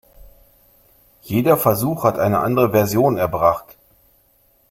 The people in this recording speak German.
Jeder Versuch hat eine andere Version erbracht.